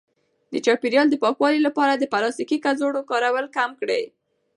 د چاپیریال د پاکوالي لپاره د پلاستیکي کڅوړو کارول کم کړئ.